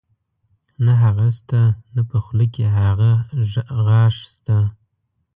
نۀ هغه شته نۀ پۀ خولۀ کښې هغه غاخ شته